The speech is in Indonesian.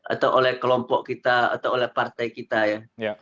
atau oleh kelompok kita atau oleh partai kita ya